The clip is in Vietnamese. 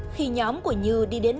khi nhóm của như đi đến đoạn thôn